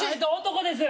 男です！